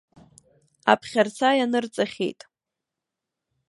Аԥхьарца ианырҵахьеит.